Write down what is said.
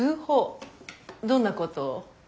どんなことを？